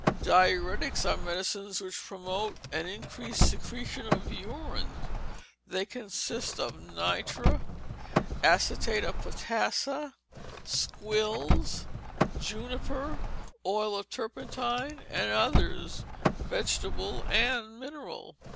Diuretics are medicines which promote an increased secretion of urine. They consist of nitre, acetate of potassa, squills, juniper, oil of turpentine, and others, vegetable and mineral.